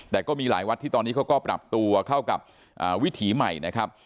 แต่ก็มีหลายวัดที่ตอนนี้เขาก็ปรับตัวเข้ากับวิถีใหม่นะครับ